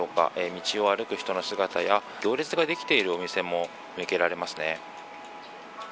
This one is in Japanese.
道を歩く人の姿や行列ができているお店も見受けられます。